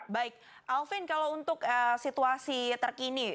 baik alvin kalau untuk situasi terkini